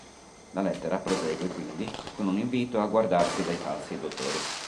La lettera prosegue quindi con un invito a guardarsi dai falsi dottori.